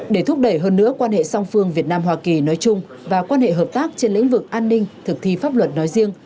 để thúc đẩy hơn nữa quan hệ song phương việt nam hoa kỳ nói chung và quan hệ hợp tác trên lĩnh vực an ninh thực thi pháp luật nói riêng